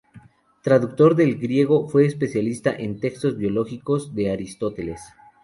Traductor del griego, fue especialista en textos biológicos de Aristóteles.